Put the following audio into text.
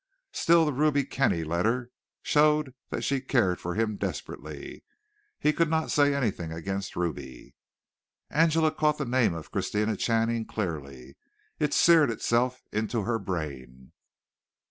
Still the Ruby Kenny letter showed that she cared for him desperately. He could not say anything against Ruby. Angela caught the name of Christina Channing clearly. It seared itself in her brain.